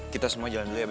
kita semua jalan dulu ya be